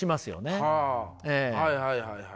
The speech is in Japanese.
はいはいはいはい。